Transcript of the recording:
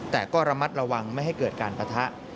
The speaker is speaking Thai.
แต่ก็ระมัดระวังไม่ให้เกิดการปะทะ